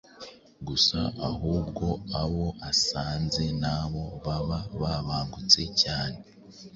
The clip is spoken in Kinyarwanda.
gusa ahubwo abo asanze nabo baba bungutse cyane.